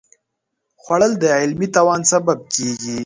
خوړل د علمي توان سبب کېږي